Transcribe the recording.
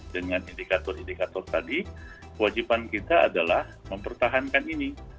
dengan indikator indikator tadi kewajiban kita adalah mempertahankan ini